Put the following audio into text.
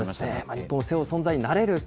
日本を背負う存在になれるか。